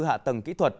hạ tầng kỹ thuật